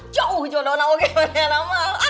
jauh tau namanya namanya